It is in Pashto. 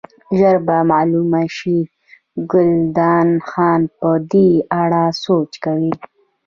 ژر به معلومه شي، ګلداد خان په دې اړه سوچ کوي.